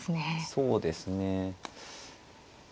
そうですね。